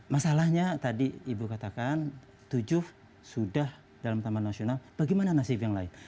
masalahnya tadi ibu katakan tujuh sudah dalam taman nasional bagaimana nasib yang lain